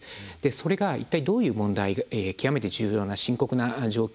それが一体どういう問題で極めて深刻な状況